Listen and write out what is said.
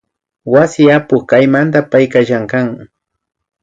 Wasi apuk kaymanta payka llankan